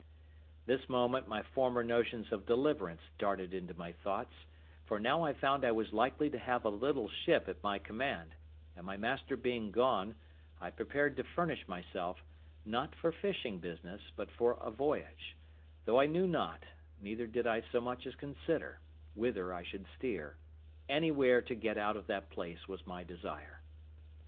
This moment my former notions of deliverance darted into my thoughts, for now I found I was likely to have a little ship at my command; and my master being gone, I prepared to furnish myself, not for fishing business, but for a voyage; though I knew not, neither did I so much as consider, whither I should steer—anywhere to get out of that place was my desire.